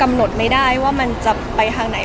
ไม่ได้ว่ามันจะไปทางไหน